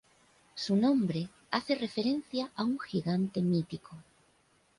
Su nombre hace referencia a un gigante mítico.